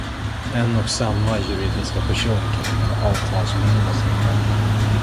En och samma juridiska person kan inte avtalsbinda sig själv.